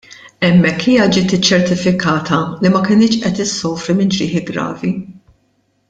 Hemmhekk hija ġiet iċċertifikata li ma kinitx qed issofri minn ġrieħi gravi.